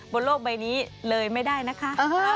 บนโลกใบนี้เลยไม่ได้นะคะ